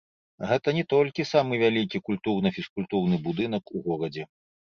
Гэта не толькі самы вялікі культурна-фізкультурны будынак у горадзе.